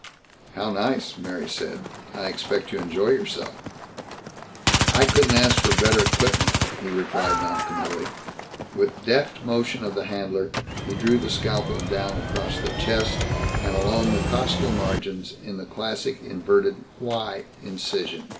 "How nice," Mary said. "I expect you enjoy yourself." "I couldn't ask for better equipment," he replied noncommittally. With deft motion of the handler he drew the scalpel down across the chest and along the costal margins in the classic inverted "Y" incision.